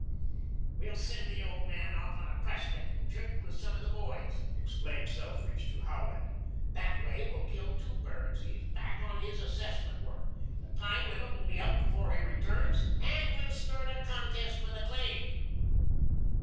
"We'll send the old man off on a prospecting trip with some of the boys," explained Selfridge to Rowland. "That way we'll kill two birds. He's back on his assessment work. The time limit will be up before he returns and we'll start a contest for the claim."